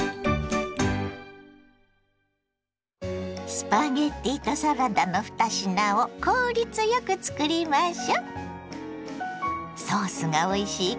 スパゲッティとサラダの２品を効率よくつくりましょ。